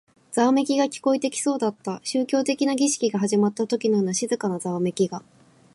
ざわめきが聞こえてきそうだった。宗教的な儀式が始まったときのような静かなざわめきが。